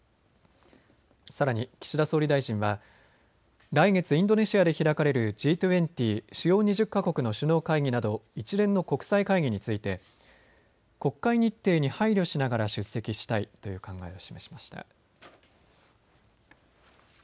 さらに岸田総理大臣は来月インドネシアで開かれるＧ２０・主要２０か国の首脳会議など一連の国際会議について国会日程に配慮しながら出席したいという考えを示しました。